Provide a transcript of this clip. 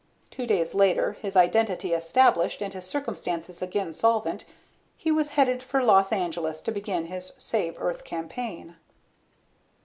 Two days later, his identity established and his circumstances again solvent, he was headed for Los Angeles to begin his save Earth campaign.